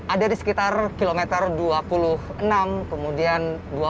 ada di sekitar kilometer dua puluh enam kemudian dua puluh